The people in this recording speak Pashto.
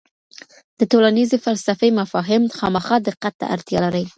د ټولنيزي فلسفې مفاهیم خامخا دقت ته اړتیا لري.